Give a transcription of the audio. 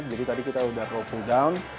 jadi tadi kita udah roll pull down